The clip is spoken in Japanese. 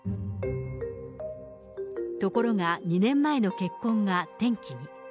ところが、２年前の結婚が転機に。